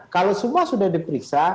kalau semua sudah diperiksa